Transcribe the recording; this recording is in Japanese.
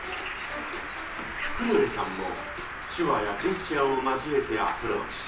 くろえさんも手話やジェスチャーを交えてアプローチ。